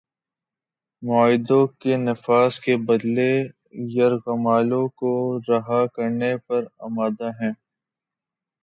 معاہدوں کے نفاذ کے بدلے یرغمالوں کو رہا کرنے پر آمادہ ہے